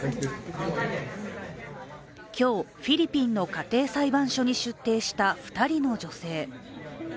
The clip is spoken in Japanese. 今日、フィリピンの家庭裁判所に出廷した２人の女性。